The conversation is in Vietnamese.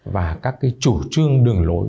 và các chủ trương đường lối